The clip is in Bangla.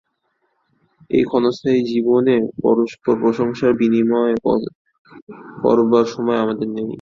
এই ক্ষণস্থায়ী জীবনে পরস্পর প্রশংসা-বিনিময় করবার সময় আমাদের নেই।